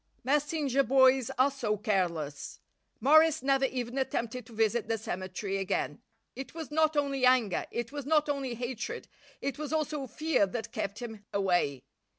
Messenger boys are so careless. Morris never even attempted to visit the cemetery again. It was not only anger, it was not only hatred; it was also fear that kept him away.